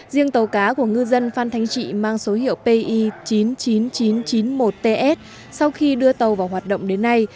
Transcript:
riêng tàu cá của ngư dân phan thanh trị mang số hiệu pi chín mươi chín nghìn chín trăm chín mươi một ts sau khi đưa tàu vào hoạt động đến nay